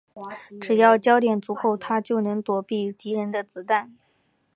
只要焦点足够她就能躲避敌人的子弹。